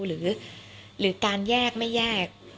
หรือการแยกไม่แยก